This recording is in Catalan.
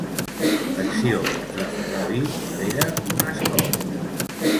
L'acció de trafegar vi rere unes cols.